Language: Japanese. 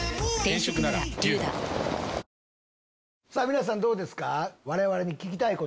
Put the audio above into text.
皆さんどうですか？